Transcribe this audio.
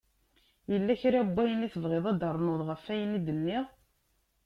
Yella kra n wayen i tebɣiḍ ad d-ternuḍ ɣef ayen i d-nniɣ?